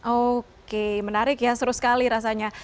oke menarik ya seru sekali rasanya